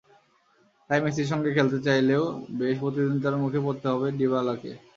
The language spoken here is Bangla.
তাই মেসির সঙ্গে খেলতে চাইলেও বেশ প্রতিদ্বন্দ্বিতার মুখেই পড়তে হবে ডিবালাকে।